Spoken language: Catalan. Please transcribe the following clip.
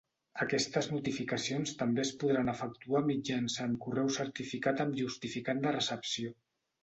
Aquestes notificacions també es podran efectuar mitjançant correu certificat amb justificant de recepció.